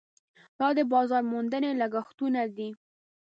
دا د بازار موندنې لګښټونه دي.